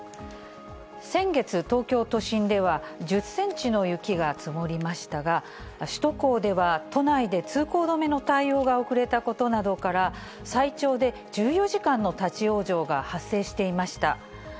先月、東京都心では１０センチの雪が積もりましたが、首都高では都内で通行止めの対応が遅れたことなどから、最長で１４時間の立往生が発生していました。